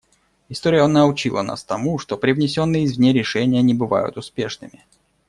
История научила нас тому, что привнесенные извне решения не бывают успешными.